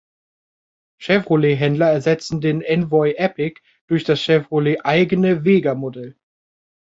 Chevrolet-Händler ersetzten den „Envoy Epic“ durch das Chevrolet-eigene „Vega“-Modell.